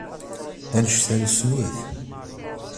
Annect-a nessen-it.